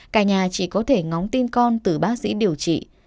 cả nhà chỉ có thể ngóng tin con từ bác sĩ điều trị